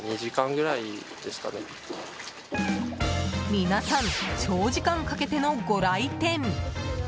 皆さん、長時間かけてのご来店。